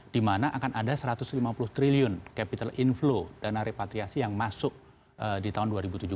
di mana akan ada satu ratus lima puluh triliun capital inflow dana repatriasi yang masuk di tahun dua ribu tujuh belas